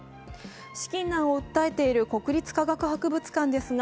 資金難を訴えている国立科学博物館ですが、